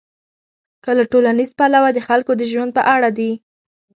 که له ټولنیز پلوه د خلکو د ژوند په اړه دي.